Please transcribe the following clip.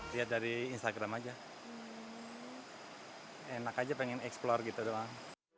lihat dari instagram aja enak aja pengen eksplor gitu doang